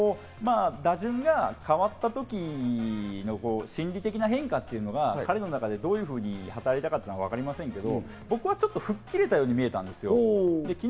打順が変わったときの心理的な変化というのが、彼の中でどういうふうになったかわかりませんけど、僕はちょっと吹っ切れた感じに見えました。